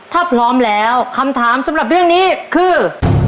ถ้าพร้อมแล้วคำถามสำหรับเรื่องนี้คือ